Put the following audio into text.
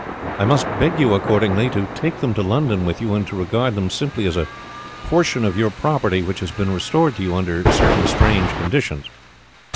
I must beg you, accordingly, to take them to London with you, and to regard them simply as a portion of your property which has been restored to you under certain strange conditions.